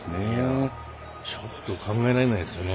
ちょっと考えられないですよね。